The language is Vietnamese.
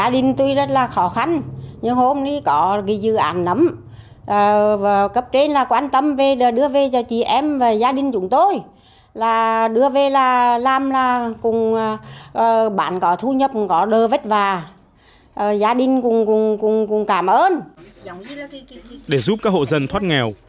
để giúp các hộ dân thoát nghèo